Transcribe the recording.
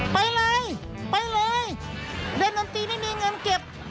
ไปเลยไปเลยเล่นดนตรีไม่มีเงินเก็บ